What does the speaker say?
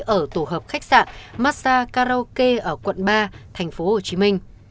ở tổ hợp khách sạn massa karaoke ở quận ba tp hcm